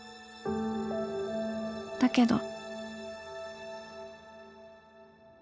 「だけど」。